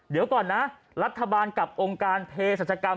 เดี๋ยวก่อนนะรัฐบาลกับองค์การเพศรัชกรรม